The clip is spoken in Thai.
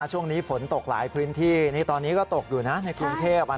ช่วงนี้ฝนตกหลายพื้นที่นี่ตอนนี้ก็ตกอยู่นะในกรุงเทพ